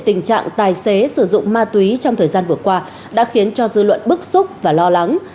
tình trạng tài xế sử dụng ma túy trong thời gian vừa qua đã khiến cho dư luận bức xúc và lo lắng